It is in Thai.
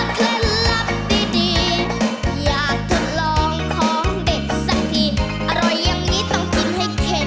เคล็ดลับดีอยากทดลองของเด็ดสักทีอร่อยอย่างนี้ต้องกินให้เข็ด